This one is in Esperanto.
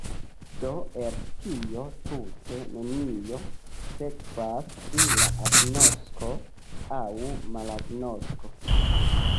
Do el tio tute nenio sekvas pri la agnosko aŭ malagnosko.